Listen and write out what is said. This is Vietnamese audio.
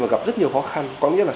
và gặp rất nhiều khó khăn có nghĩa là